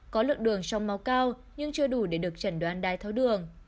có lượng đường trong máu cao nhưng chưa đủ để được chẩn đoán đai thói đường